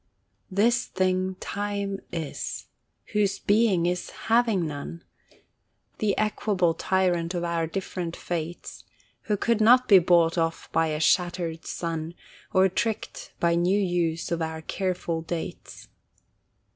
This thing Time is, whose being is having none, The equable tyrant of our different fates, Who could not be bought off by a shattered sun Or tricked by new use of our careful dates.